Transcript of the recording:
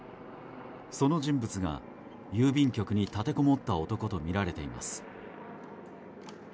その人物が郵便局に立てこもった男とみられています。